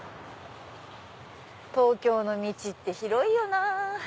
東京の道って広いよなぁ。